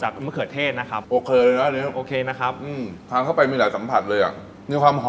ถูกต้องครับผม